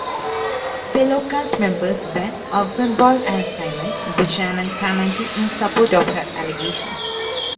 Fellow cast members Ben Oxenbould and Simone Buchanan commented in support of her allegations.